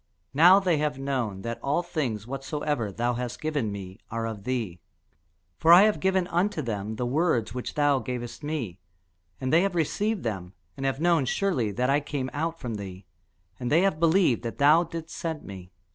Now they have known that all things whatsoever thou hast given me are of thee. For I have given unto them the words which thou gavest me; and they have received them, and have known surely that I came out from thee, and they have believed that thou didst send me.